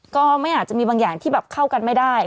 ก็ไม่อาจจะมีบางอย่างที่แบบเข้ากันไม่ได้